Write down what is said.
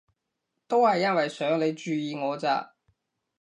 都係因為想你注意我咋